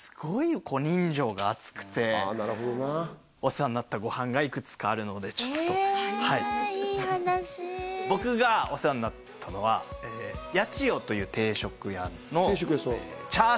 なるほどなお世話になったごはんがいくつかあるのでちょっとえっいい話僕がお世話になったのは八千代という定食屋の定食屋さん